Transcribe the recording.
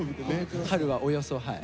春はおよそはい。